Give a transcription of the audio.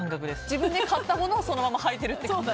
自分で買ったものをそのまま履いていると。